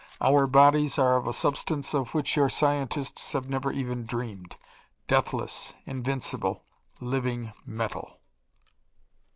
Our bodies are of a substance of which your scientists have never even dreamed deathless, invincible, living metal!"